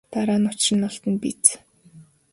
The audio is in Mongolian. Дараа нь учир нь олдоно биз.